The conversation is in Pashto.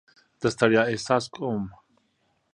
د ستړیا احساس کوم.